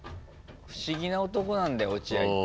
不思議な男なんだよ落合って。